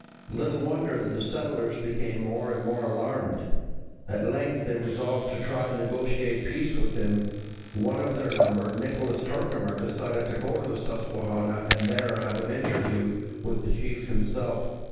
Little wonder that the settlers became more and more alarmed. At length they resolved to try to negotiate peace with him. One of their number, Nicholas Herkimer, decided to go to the Susquehanna and there have an interview with the chief himself.